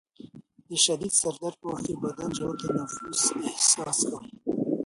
د شدید سر درد په وخت کې بدن د ژور تنفس احساس کوي.